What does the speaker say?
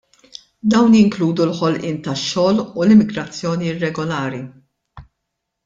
Dawn jinkludu l-ħolqien tax-xogħol u l-immigrazzjoni irregolari.